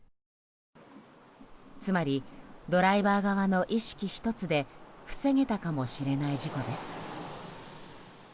つまり、ドライバー側の意識１つで防げたかもしれない事故です。